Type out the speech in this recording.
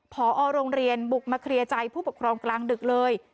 พอโรงเรียนบุกมาเคลียร์ใจผู้ปกครองกลางดึกเลย